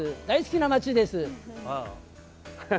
大好きな街です！